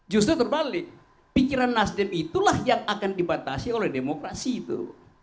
justru terbalik pikiran nasdem itulah yang akan dibatasi oleh demokrasi itu